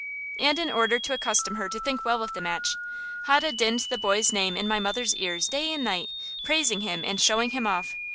And in order to accustom her to think well of the match, Hode dinned the boy's name in my mother's ears day and night, praising him and showing him off.